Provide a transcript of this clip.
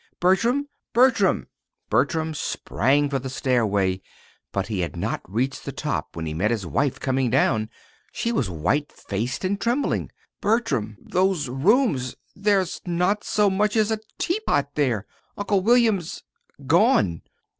"Bertram! Bertram!" Bertram sprang for the stairway, but he had not reached the top when he met his wife coming down. She was white faced and trembling. "Bertram those rooms there's not so much as a teapot there! Uncle William's gone!"